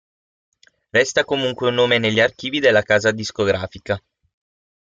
Resta comunque un nome negli archivi della casa discografica.